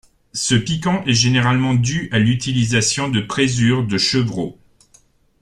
Ce piquant est généralement dû à l'utilisation de présure de chevreau.